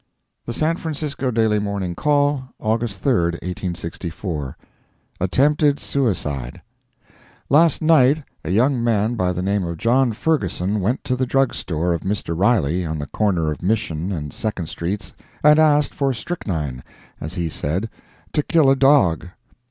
The San Francisco Daily Morning Call, August 3, 1864 ATTEMPTED SUICIDE Last night, a young man by the name of John Ferguson went to the drug store of Mr. Riley, on the corner of Mission and Second streets, and asked for strychnine, as he said, to kill a dog.